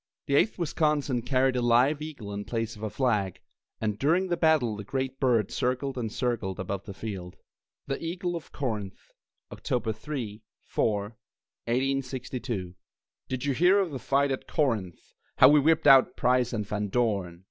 The Eighth Wisconsin carried a live eagle in place of a flag, and during the battle the great bird circled and circled above the field. THE EAGLE OF CORINTH [October 3, 4, 1862] Did you hear of the fight at Corinth, How we whipped out Price and Van Dorn?